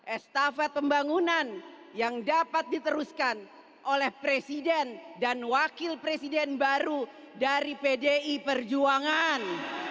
estafet pembangunan yang dapat diteruskan oleh presiden dan wakil presiden baru dari pdi perjuangan